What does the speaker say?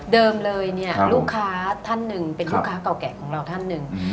เลยเนี่ยลูกค้าท่านหนึ่งเป็นลูกค้าเก่าแก่ของเราท่านหนึ่ง